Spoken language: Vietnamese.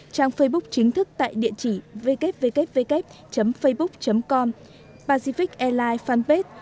trang facebook chính thức tại địa chỉ www facebook com pacificairlines fanpage